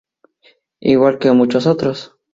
Igual que muchos otros.